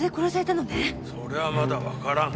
そりゃまだわからん。